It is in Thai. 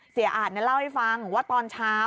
เสียอาดนั้นเล่าให้ฟังว่าตอนเช้า